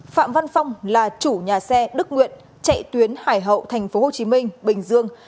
phạm văn phong là chủ nhà xe đức nguyện chạy tuyến hải hậu tp hcm bình dương